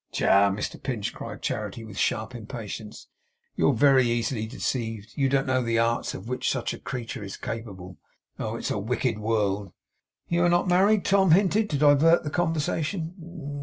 'Tcha, Mr Pinch!' cried Charity, with sharp impatience, 'you're very easily deceived. You don't know the arts of which such a creature is capable. Oh! it's a wicked world.' 'You are not married?' Tom hinted, to divert the conversation.